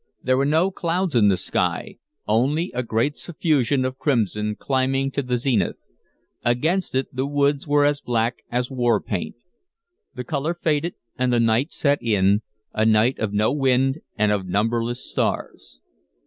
There were no clouds in the sky, only a great suffusion of crimson climbing to the zenith; against it the woods were as black as war paint. The color faded and the night set in, a night of no wind and of numberless stars.